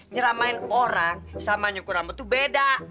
nyeramain orang sama nyukur rambut tuh beda